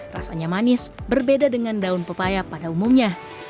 rasanya manis berbeda dengan daun pepaya pada umumnya